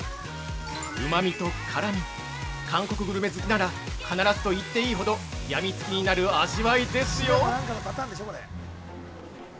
うまみと辛み、韓国グルメ好きなら、必ずと言っていいほど病みつきになる味わいですよ。